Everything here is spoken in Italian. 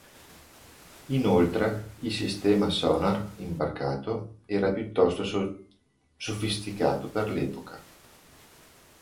Inoltre, il sistema sonar imbarcato era piuttosto sofisticato per l'epoca.